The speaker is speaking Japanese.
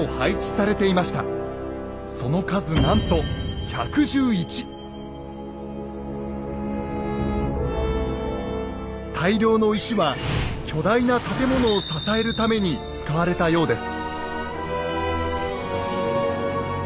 その数なんと大量の石は巨大な建物を支えるために使われたようです。